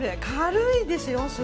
軽いですよ！